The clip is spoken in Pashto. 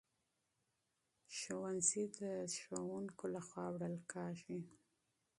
مکتوبونه د استازو لخوا وړل کیږي.